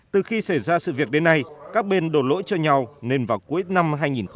từ khi xảy ra sự việc đến nay các bên đổ lỗi cho nhau nên vào cuối năm hai nghìn một mươi chín